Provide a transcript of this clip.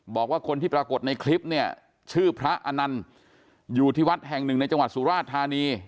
บอกว่าคนที่ปรากฏในคลิปเนี่ยชื่อพระอนันต์อยู่ที่วัดแห่งหนึ่งในจังหวัดสุราชธานี